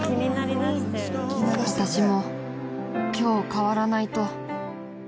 私も今日変わらないと